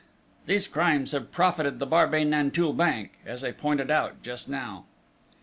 These crimes have profited the Barbey Nanteuil Bank as I pointed out just now!"